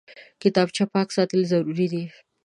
کتابچه پاک ساتل ضروري دي